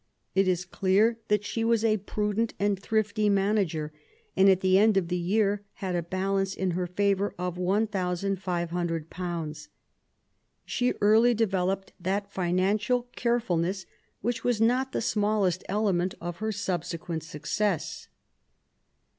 It is clear that she was a prudent and thrifty manager, and at the end of the year had a balance in her favour of £1500. She early developed that financial 20 QUEEN ELIZABETH. carefulness which was not the smallest element in her subsequent success.